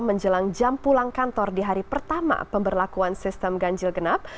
menjelang jam pulang kantor di hari pertama pemberlakuan sistem ganjil genap